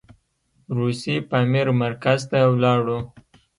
روسي پامیر مرکز ته ولاړو.